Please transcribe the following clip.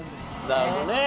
なるほどね。